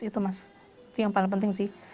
itu mas itu yang paling penting sih